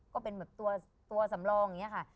ก็เป็นแบบตัวสำรองอย่างนี้ค่ะ